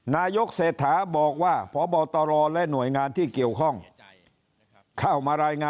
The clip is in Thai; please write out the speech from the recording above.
นายกเศรษฐาบอกว่าพบตรและหน่วยงานที่เกี่ยวข้อง